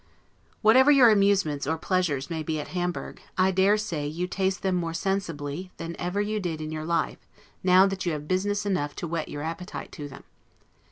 Whatever your amusements, or pleasures, may be at Hamburg, I dare say you taste them more sensibly than ever you did in your life, now that you have business enough to whet your appetite to them.